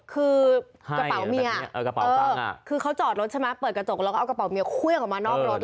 คือกระเป๋าเมียกระเป๋าคือเขาจอดรถใช่ไหมเปิดกระจกแล้วก็เอากระเป๋าเมียเครื่องออกมานอกรถ